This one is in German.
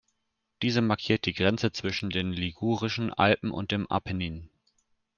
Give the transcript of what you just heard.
Diese markiert die Grenze zwischen den Ligurischen Alpen und dem Apennin.